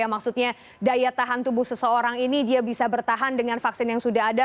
maksudnya daya tahan tubuh seseorang ini dia bisa bertahan dengan vaksin yang sudah ada